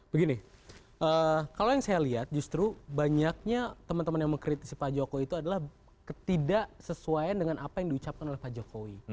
begini kalau yang saya lihat justru banyaknya teman teman yang mengkritisi pak jokowi itu adalah ketidaksesuaian dengan apa yang diucapkan oleh pak jokowi